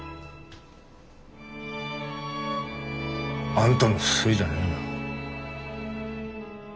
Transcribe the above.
あんたのせいじゃねえよ。